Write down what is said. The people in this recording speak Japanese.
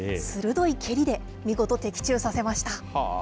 鋭い蹴りで見事、的中させました。